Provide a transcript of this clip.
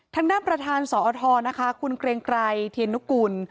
ทางด้านประธานสอทนะคะคุณเกรงไกรเทียนนุกุล